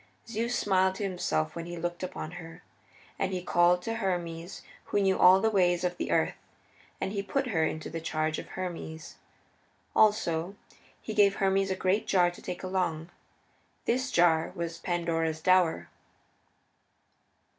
Zeus smiled to himself when he looked upon her, and he called to Hermes who knew all the ways of the earth, and he put her into the charge of Hermes. Also he gave Hermes a great jar to take along; this jar was Pandora's dower.